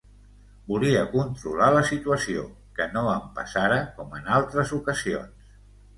Volia controlar la situació, que no em passara com en altres ocasions.